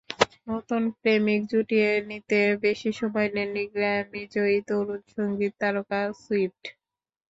নতুন প্রেমিক জুটিয়ে নিতে বেশি সময় নেননি গ্র্যামিজয়ী তরুণ সংগীত তারকা সুইফট।